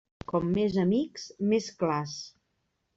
Com més amics, més clars.